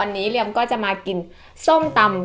อันนี้เรามันก็คือกินน้ำตำ